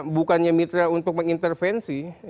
ini hanya mitra untuk mengintervensi